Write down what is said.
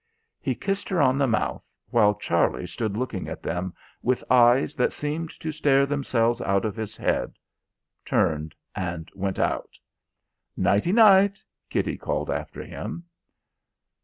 He kissed her on the mouth, while Charlie stood looking at them with eyes that seemed to stare themselves out of his head, turned and went out. "Nighty night!" Kitty called after him.